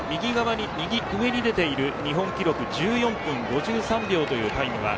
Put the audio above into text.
右上に出ている日本記録１４分５３秒というタイム